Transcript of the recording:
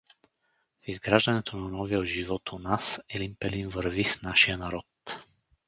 В изграждането на новия живот у нас Елин Пелин върви с нашия народ.